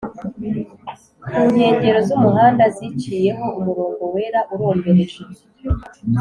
kunkengero z’umuhanda ziciyeho umurongo wera urombereje